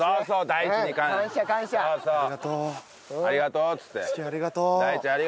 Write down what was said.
大地ありがとうっつって。